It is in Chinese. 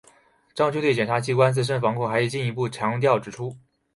张军对检察机关自身防控还进一步强调指出